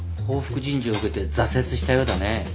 報復人事を受けて挫折したようだね。